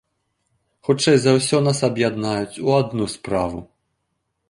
Хутчэй за ўсё, нас аб'яднаюць у адну справу.